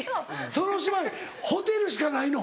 その島ホテルしかないの？